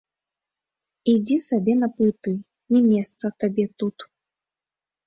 Ідзі сабе на плыты, не месца табе тут.